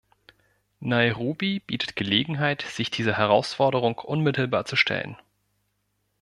Nairobi bietet Gelegenheit, sich dieser Herausforderung unmittelbar zu stellen.